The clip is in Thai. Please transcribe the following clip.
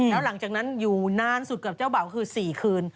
แล้วหลังจากนั้นอยู่นานสุดกับเจ้าเบ่าคือ๔คืน